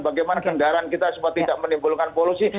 bagaimana kendaraan kita supaya tidak menimbulkan polusi